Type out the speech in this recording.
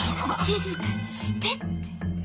静かにしてって！